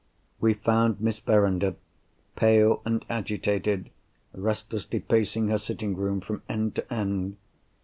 We found Miss Verinder, pale and agitated, restlessly pacing her sitting room from end to end.